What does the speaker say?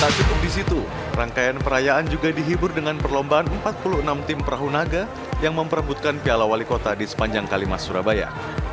tak cukup di situ rangkaian perayaan juga dihibur dengan perlombaan empat puluh enam tim perahu naga yang memperebutkan piala wali kota di sepanjang kalimas surabaya